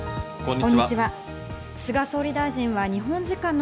こんにちは。